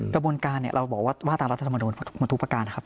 กระบวนการเราบอกว่าว่าตามรัฐธรรมนูลมาทุกประการนะครับ